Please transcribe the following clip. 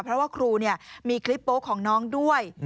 เพราะว่าครูมีคลิปโป๊ะของน้องด้วย